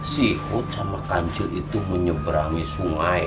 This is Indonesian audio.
si hood sama kancil itu menyeberangi sungai